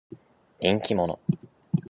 人気者。